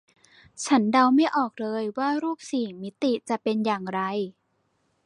ฉันเดาไม่ออกเลยว่ารูปสี่มิติจะเป็นอย่างไร